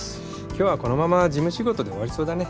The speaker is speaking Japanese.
今日はこのまま事務仕事で終わりそうだね。